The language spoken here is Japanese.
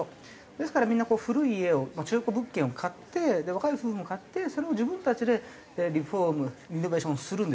ですからみんなこう古い家を中古物件を買って若い夫婦も買ってそれを自分たちでリフォームリノベーションをするんですよね。